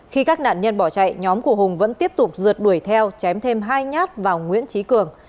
khi các nạn nhân bỏ chạy nhóm của hùng vẫn tiếp tục rượt đuổi theo chém thêm hai nhát vào nguyễn trí cường